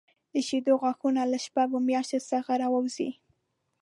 د شېدو غاښونه له شپږ میاشتنۍ څخه راوځي.